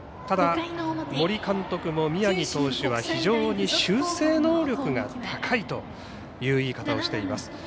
ただ、森監督も宮城投手は非常に修正能力が高いという言い方をしています。